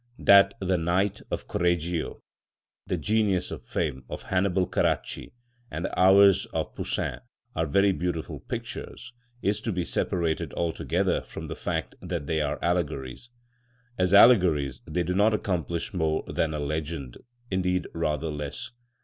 That the "Night" of Correggio, the "Genius of Fame" of Hannibal Caracci, and the "Hours" of Poussin, are very beautiful pictures, is to be separated altogether from the fact that they are allegories. As allegories they do not accomplish more than a legend, indeed rather less.